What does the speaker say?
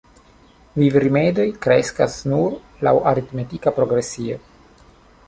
Vivrimedoj kreskas nur laŭ aritmetika progresio.